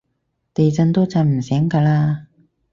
地震都震唔醒㗎喇